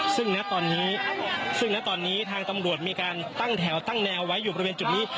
ซึ่งณตอนนี้ซึ่งณตอนนี้ทางตำรวจมีการตั้งแถวตั้งแนวไว้อยู่บริเวณจุดนี้